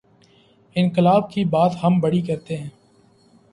انقلا ب کی بات ہم بڑی کرتے ہیں۔